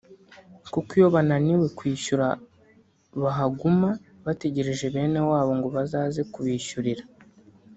kuko iyo bananiwe kwishyura bahaguma bategereje bene wabo ngo bazaze kubishyurira